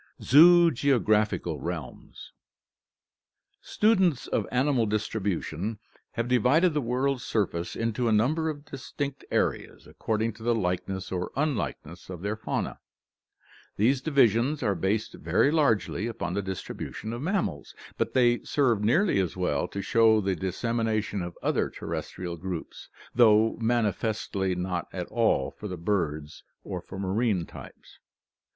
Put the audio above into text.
ZOOGEOGRAPHICAL REALMS Students of animal distribution have divided the world's surface into a number of distinct areas according to the likeness or unlike ness of their faunae. These divisions are based very largely upon the distribution of mammals, but they serve nearly as well to show the dissemination of other terrestrial groups, though manifestly not at all for the birds or for marine types.